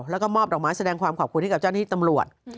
แล้วก็มอบดอกไม้แสดงความขอบคุณให้กับเจ้าหน้าที่ตำรวจ